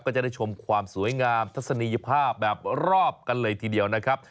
ก็จะได้ชมความสวยงามทัศนีภาพแบบรอบกันเลยทีเดียวนะครับ